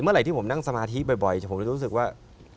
เมื่อไหร่ที่ผมนั่งสมาธิบ่อยผมจะรู้สึกว่า